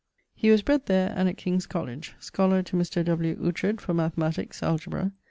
He was bred there and at King's College. Scholar to Mr. W. Oughtred for Mathematiques (Algebra).